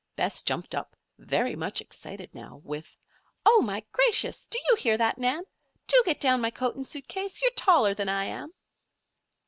Bess jumped up, very much excited now, with: "Oh, my gracious! Do you hear that, Nan? Do get down my coat and suit case. You're taller than I am."